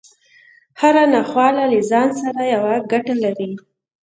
هره ناخواله له ځان سره يوه ګټه لري.